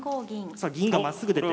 さあ銀がまっすぐ出て。